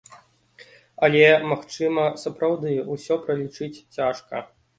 Але, магчыма, сапраўды, усё пралічыць цяжка.